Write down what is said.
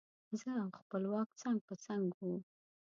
زه او خپلواک څنګ په څنګ وو.